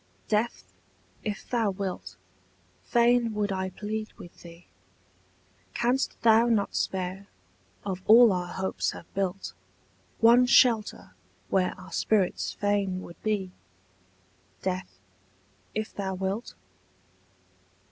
DEATH, if thou wilt, fain would I plead with thee: Canst thou not spare, of all our hopes have built, One shelter where our spirits fain would be, Death, if thou wilt?